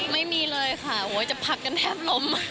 ไม่มีเลยค่ะโอ๊ยจะพักกันแทบร้ม